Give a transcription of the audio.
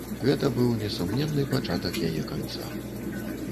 Гэта быў несумненны пачатак яе канца.